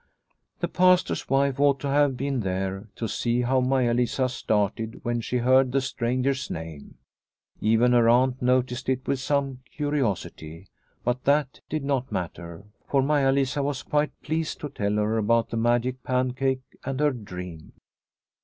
The Pastor's wife ought to have been there to see how Maia Lisa started when she heard the stranger's name. Even her aunt noticed it with some curiosity, but that did not matter, for Maia Lisa was quite pleased to tell her about The Pastor from Finland 145 the magic pancake and her dream.